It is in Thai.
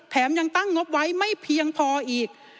ยังตั้งงบไว้ไม่เพียงพออีก